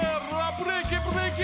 ブレーキブレーキ！